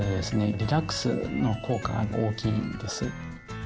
リラックスの効果が大きいです。